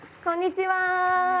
こんにちは。